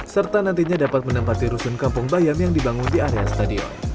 serta nantinya dapat menempati rusun kampung bayam yang dibangun di area stadion